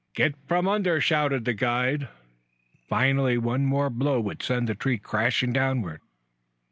"Get from under!" shouted the guide finally. One more blow would send the tree crashing downward.